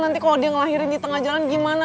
nanti kalau dia ngelahirin di tengah jalan gimana